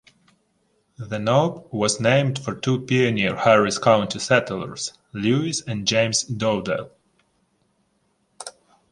The knob was named for two pioneer Harris County settlers: Lewis and James Dowdell.